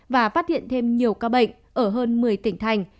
và phát hiện thêm nhiều ca bệnh ở hơn một mươi tỉnh thành